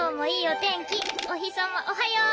お日さまおはよう！